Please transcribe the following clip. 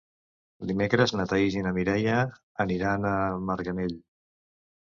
Dimecres na Thaís i na Mireia aniran a Marganell.